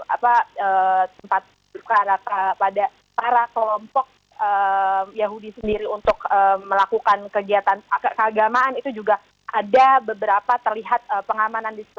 apa tempat pada para kelompok yahudi sendiri untuk melakukan kegiatan keagamaan itu juga ada beberapa terlihat pengamanan di situ